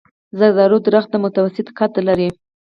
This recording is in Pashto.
زردالو ونه متوسط قد لري.